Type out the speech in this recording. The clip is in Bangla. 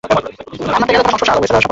জোরে কথা বলার মত পরিস্থিতি তাঁর ছিল না।